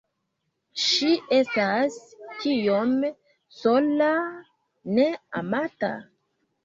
Ŝi estas tiom sola... ne amata